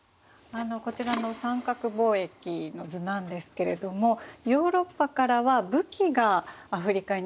こちらの三角貿易の図なんですけれどもヨーロッパからは武器がアフリカに運ばれてますよね。